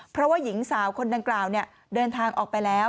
เพราะว่าหญิงสาวคนดังกล่าวเดินทางออกไปแล้ว